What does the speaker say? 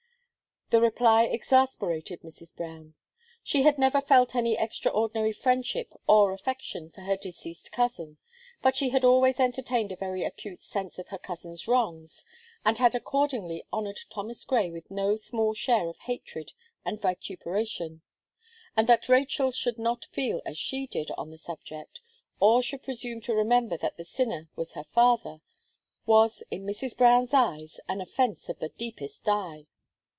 The reply exasperated Mrs. Brown. She had never felt any extraordinary friendship or affection for her deceased cousin; but she had always entertained a very acute sense of her cousin's wrongs, and had accordingly honoured Thomas Gray with no small share of hatred and vituperation, and that Rachel should not feel as she did on the subject, or should presume to remember that the sinner was her father, was, in Mrs. Brown's eyes, an offence of the deepest dye.